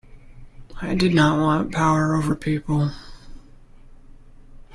I did not want power over people.